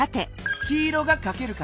黄色がかける数。